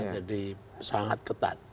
jadi sangat ketat